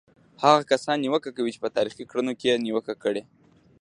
هغه کسان نیوکه کوي چې په تاریخي کړنو کې یې نیوکه کړې.